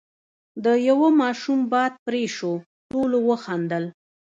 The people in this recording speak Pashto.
، د يوه ماشوم باد پرې شو، ټولو وخندل،